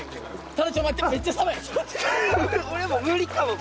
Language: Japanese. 俺もう無理かも！